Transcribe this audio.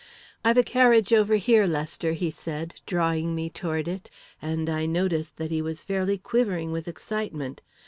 "I've a carriage over here, Lester," he said, drawing me toward it, and I noticed that he was fairly quivering with excitement.